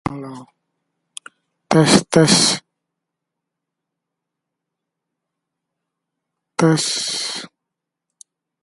Ke gunung sama mendaki, ke lurah sama menurun